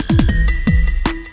gak ada yang nungguin